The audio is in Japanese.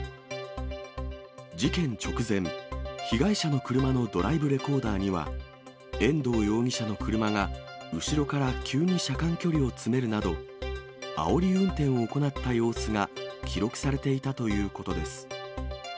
事件直前、被害者の車のドライブレコーダーには、遠藤容疑者の車が後ろから急に車間距離を詰めるなど、あおり運転を行った様子が記録されていたということです。